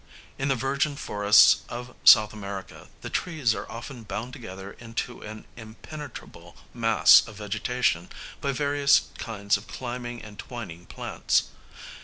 In the virgin forests of S. America the trees are often bound together into an impenetrable mass of vegetation by various kinds of climbing and twining plants.